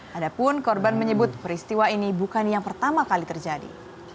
padahal korban menyebut peristiwa ini bukan yang pertama kali terjadi